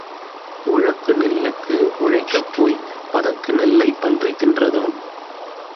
உழக்கு நெல்லுக்கு உழைக்கப் போய்ப் பதக்கு நெல்லைப் பன்றி தின்றதாம்.